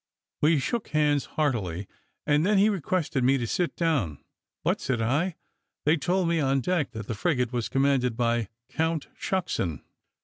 We shook hands heartily, and then he requested me to sit down. "But," said I, "they told me on deck that the frigate was commanded by a Count Shucksen."